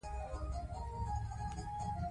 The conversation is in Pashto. ډاکټره کلیر کای وايي، ژمنې باید واقعي وي.